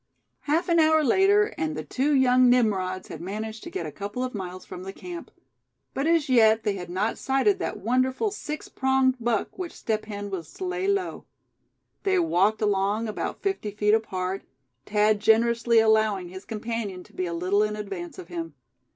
Half an hour later, and the two young Nimrods had managed to get a couple of miles from the camp. But as yet they had not sighted that wonderful six pronged buck which Step Hen was to lay low. They walked along about fifty feet apart, Thad generously allowing his companion to be a little in advance of him.